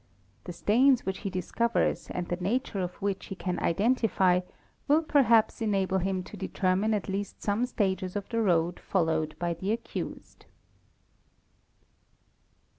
The stains | "which he discovers and the nature of which he can identify will perhaps enable him to determine at least some stages of the road followed by the accused.